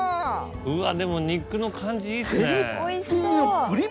うわでも肉の感じいいっすね！